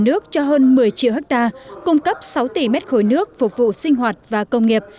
nước cho hơn một mươi triệu hectare cung cấp sáu tỷ mét khối nước phục vụ sinh hoạt và công nghiệp